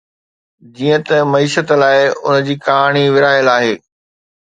جيئن ته معيشت لاء، ان جي ڪهاڻي ورهايل آهي.